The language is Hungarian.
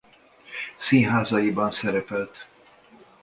Színházaiban szerepelt.